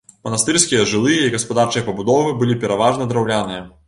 Манастырскія жылыя і гаспадарчыя пабудовы былі пераважна драўляныя.